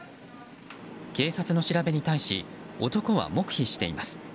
警察の調べに対し男は黙秘しています。